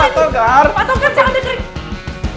patogar jangan deket